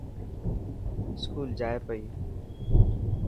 اسڪول جائي پئي.